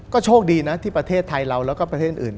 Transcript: ก็โชคดีนะที่ประเทศไทยเราแล้วก็ประเทศอื่น